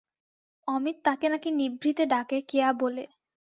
অমিত তাকে নাকি নিভৃতে ডাকে কেয়া বলে।